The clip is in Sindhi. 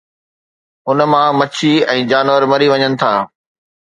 ان مان مڇي ۽ جانور مري وڃن ٿا.